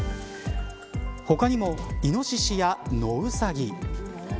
他にも、イノシシやノウサギ。